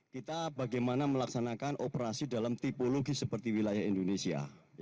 kita bagaimana melaksanakan operasi dalam tipologi seperti wilayah indonesia